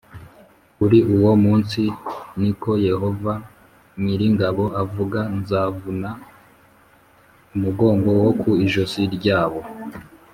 Kuri uwo munsi ni koYehova nyir ingabo avuga nzavuna umugogo wo ku ijosi ryabo